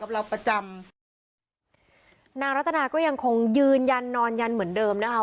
เราประจำนางรัตนาก็ยังคงยืนยันนอนยันเหมือนเดิมนะคะ